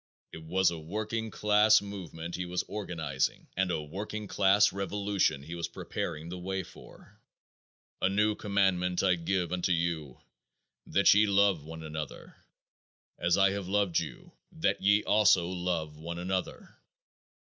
It was a working class movement he was organizing and a working class revolution he was preparing the way for. "A new commandment I give unto you: That ye love one another; as I have loved you, that ye also love one another."